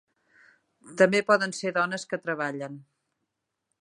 També poden ser dones que treballen.